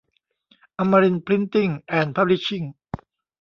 อมรินทร์พริ้นติ้ง แอนด์ พับลิชชิ่ง